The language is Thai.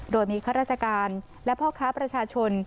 โดยมีข้าราชการและพ่อค้าประชาชน